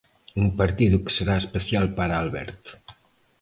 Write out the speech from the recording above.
Un partido que será especial para Alberto.